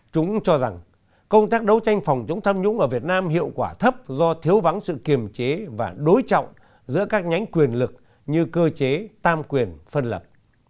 chúng cho rằng công tác đấu tranh phòng chống tham nhũng ở việt nam hiệu quả thấp do thiếu vắng sự kiềm chế và đối trọng giữa các nhánh quyền lực như cơ chế tam quyền phân lập